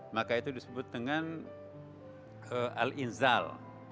maka itu disebut dengan al inzal